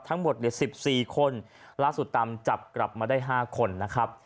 ทั้งหมด๑๔คนล่าสุดตามจับกลับมาได้๕คนนะครับ